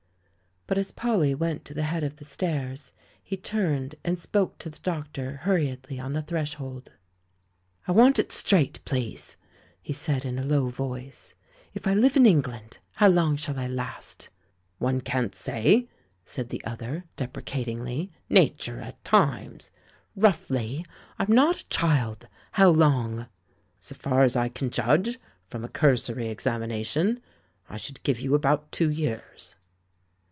But as Polly went to the head of the stairs, he turned and spoke to the doctor hurriedly on the threshold. "I want it straight, please!" he said in a low voice. "If I live in England, how long shall I last?" "One can't say," said the other, deprecatingly; "Nature at times " "Roughly? I'm not a child! How long?" "So far as I can judge, from a cursory exami nation, I should give you about two years."